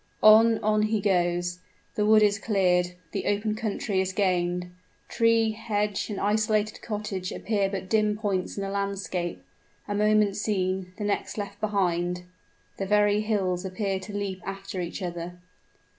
On, on he goes: the wood is cleared the open country is gained. Tree, hedge, and isolated cottage appear but dim points in the landscape a moment seen, the next left behind; the very hills appear to leap after each other.